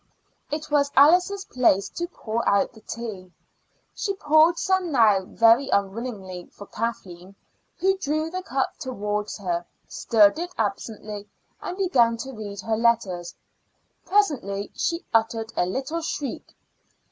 It was Alice's place to pour out the tea. She poured some out now, very unwillingly, for Kathleen, who drew the cup towards her, stirred it absently, and began to read her letters. Presently she uttered a little shriek.